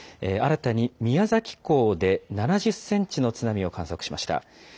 新たに宮崎港で７０センチの津波を観測しました。